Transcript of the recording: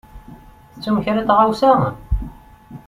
Tettum kra n tɣawsa?